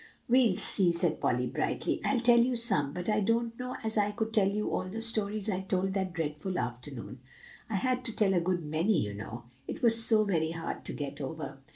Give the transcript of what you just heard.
"We'll see," said Polly brightly; "I'll tell you some, but I don't know as I could tell you all the stories I told that dreadful afternoon. I had to tell a good many, you know; it was so very hard to get over.